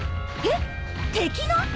えっ敵の？